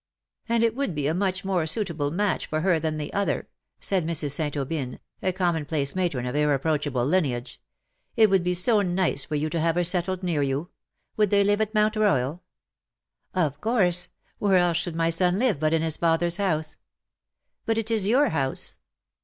^"*" And it would be a much more suitable match for her than the other/^ said Mrs. St. Aubyn, a commonplace matron of irreproachable lineage :" it would be so nice for you to have her settled near you. Would they live at Mount Royal T' " Of course. Where else should my son live but in his father^s house T^ '^But it is your house."